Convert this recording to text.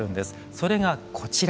それがこちら。